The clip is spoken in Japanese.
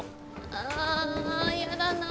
あやだな。